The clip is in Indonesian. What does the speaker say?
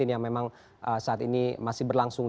yang memang saat ini masih berlangsung